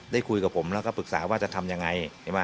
ได้คุยกับผมแล้วก็ปรึกษาว่าจะทำยังไง